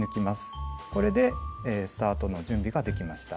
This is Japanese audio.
これでスタートの準備ができました。